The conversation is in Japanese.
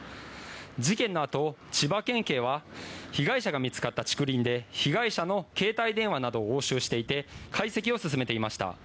事件のあと、千葉県警は被害者が見つかった竹林で被害者の携帯電話などを押収していて解析を進めていました。